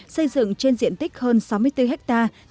xây dựng trên diện tích hơn sáu mươi bốn hectare